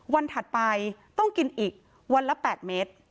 ถัดไปต้องกินอีกวันละ๘เมตร